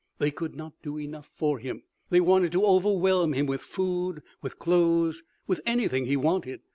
They could not do enough for him. They wanted to overwhelm him with food, with clothes, with anything he wanted.